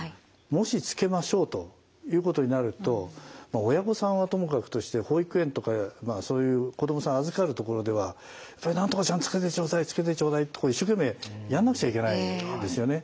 もしつけましょうということになると親御さんはともかくとして保育園とかそういう子どもさん預かるところでは何とかちゃんつけてちょうだいつけてちょうだいって一生懸命やんなくちゃいけないですよね。